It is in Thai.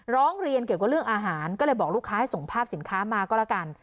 ร้องเรียนเกี่ยวกับเรื่องอาหารก็เลยบอกลูกค้าให้ส่งภาพสินค้ามาก็แล้วกัน